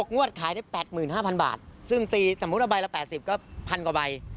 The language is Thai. ๖งวดขายได้๘๕๐๐๐บาทซึ่งสมมุติใบละ๘๐ก็พันกว่าใบ